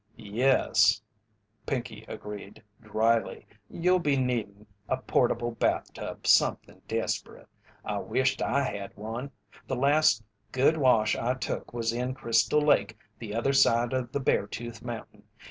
"Yes," Pinkey agreed, drily, "you'll be needin' a portable bath tub something desperate. I wisht I had one. The last good wash I took was in Crystal Lake the other side of the Bear tooth Mountain.